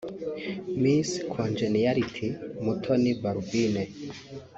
Miss Congeniality Mutoni Balbine